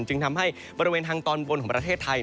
จึงทำให้บริเวณทางตอนบนของประเทศไทย